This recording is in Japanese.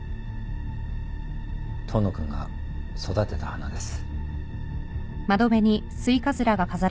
遠野君が育てた花です。